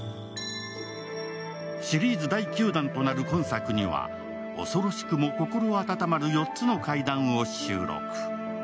シリーズ第９弾となる今作には、恐ろしくも心温まる４つの怪談を収録。